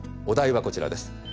お題はこちらです。